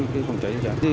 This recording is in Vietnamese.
khi phòng cháy cháy